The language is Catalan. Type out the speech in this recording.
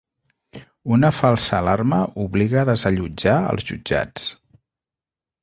Una falsa alarma obliga a desallotjar els jutjats.